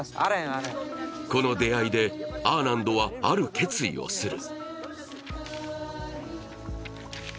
この出会いでアーナンドはある決意をする。